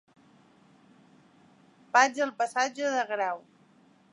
Vaig al passatge de Grau.